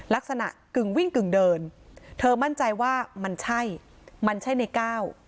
ลักษณะกึ่งวิ่งกึ่งเดินเธอมั่นใจว่ามันใช่มันใช่ในก้าว